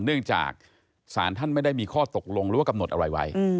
เนื่องจากศาลท่านไม่ได้มีข้อตกลงหรือว่ากำหนดอะไรไว้